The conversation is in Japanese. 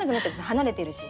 離れてるし。